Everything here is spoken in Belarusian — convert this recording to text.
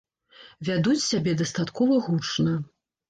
Вядуць сябе дастаткова гучна.